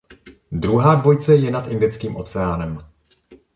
Druhá dvojice je nad Indickým oceánem.